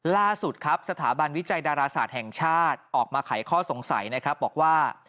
ล่าสุดครับสถาบันวิจัยดาราศาสตร์แห่งชาติออกมาไขข้อสงสัยนะครับบอกว่า